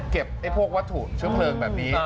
ไอ้พวกวัตถุเชื้อเพลิงแบบนี้